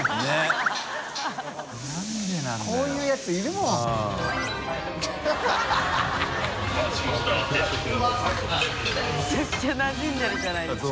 むちゃくちゃなじんでるじゃないですか。